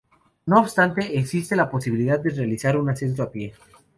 No obstante, existe la posibilidad de realizar un ascenso a pie.